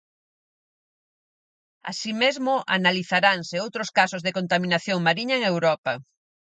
Así mesmo, analizaranse outros casos de contaminación mariña en Europa.